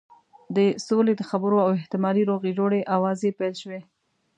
د سولې د خبرو او احتمالي روغې جوړې آوازې پیل شوې.